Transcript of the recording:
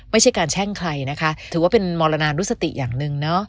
ไม่ใช่การแช่งใครนะคะถือว่าเป็นมรณานุสติอย่างหนึ่งเนอะ